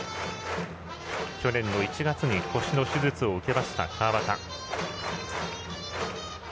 去年の１月に腰の手術を受けた川端。